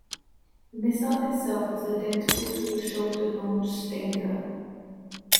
The missile itself is identical to the shoulder-launched Stinger.